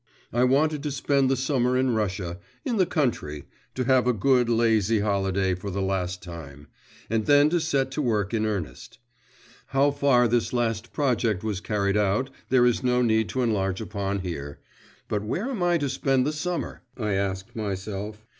I wanted to spend the summer in Russia in the country to have a good lazy holiday for the last time; and then to set to work in earnest. How far this last project was carried out, there is no need to enlarge upon here … 'But where am I to spend the summer?' I asked myself.